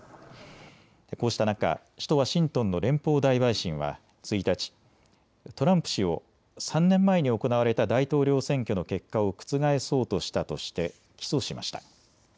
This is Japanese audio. こうした中、首都ワシントンの連邦大陪審は１日、トランプ氏を３年前に行われた大統領選挙の結果を覆そうとしたとして起訴しました。